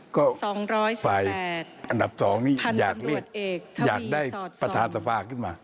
ก็ไปอันดับสองอยากได้ประธานทราบขึ้นมา